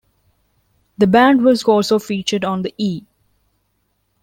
The band was also featured on the E!